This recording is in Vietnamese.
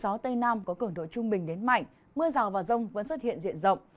gió tây nam có cường độ trung bình đến mạnh mưa rào và rông vẫn xuất hiện diện rộng